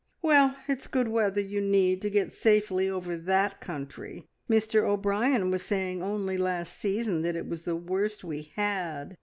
"Well, it's good weather you need, to get safely over that country. Mr O'Brien was saying only last season that it was the worst we had.